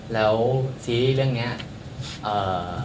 แล้วซีรีส์เรื่องเนี่ย